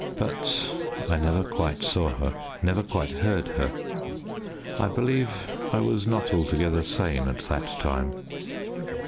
But I never quite saw her never quite heard her. I believe I was not altogether sane at that time.